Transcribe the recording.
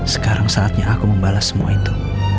sekarang saatnya aku membalas semua itu